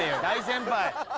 大先輩。